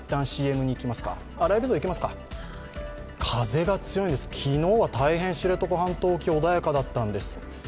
風が強いんです、昨日は知床半島沖大変穏やかだったんです。